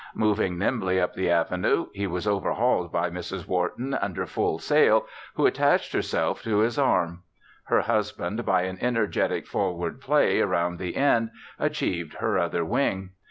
Moving nimbly up the Avenue, he was overhauled by Mrs. Wharton under full sail, who attached herself to his arm. Her husband by an energetic forward play around the end achieved her other wing.